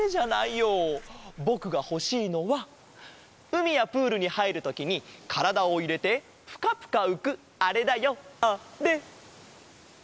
ぼくがほしいのはうみやプールにはいるときにからだをいれてプカプカうくあれだよあれ！